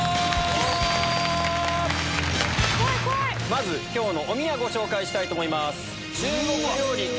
まず今日のおみやご紹介したいと思います。